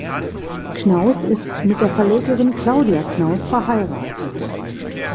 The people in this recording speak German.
Knauss ist mit der Verlegerin Claudia Knauss verheiratet.